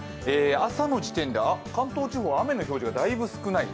朝の時点で関東地方、雨の表示がだいぶ少ない。